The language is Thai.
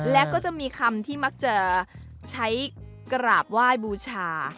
แล้วก็จะมีคำที่มักจะใช้กราบไหว้บูชา